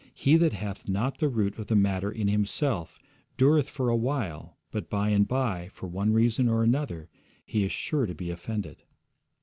He that hath not the root of the matter in himself dureth for a while, but by and by, for one reason or another, he is sure to be offended.